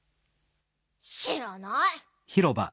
しらない！